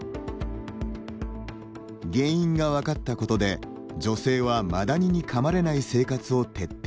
原因が分かったことで、女性はマダニにかまれない生活を徹底。